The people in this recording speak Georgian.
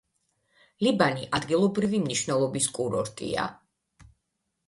ლიბანი ადგილობრივი მნიშვნელობის კურორტია.